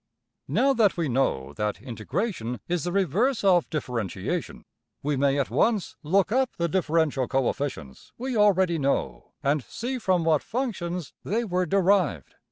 } Now that we know that integration is the reverse of differentiation, we may at once look up the differential coefficients we already know, and see from what functions they were derived.